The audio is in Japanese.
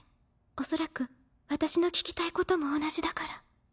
おそらく私の聞きたいことも同じだから。